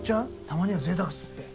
たまにはぜいたくすっべ。